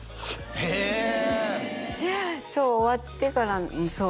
へえそう終わってからそう